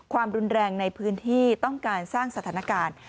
ความรุนแรงในพื้นที่ต้องการสร้างสถานการณ์